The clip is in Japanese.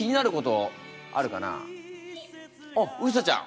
あっうさちゃん。